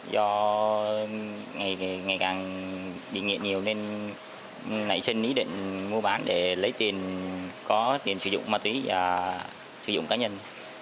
do ngày càng bị nghiện nhiều nên nảy sinh ý định mua bán để lấy tiền có tiền sử dụng ma túy và sử dụng cá nhân